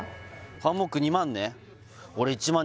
ハンモック２万ね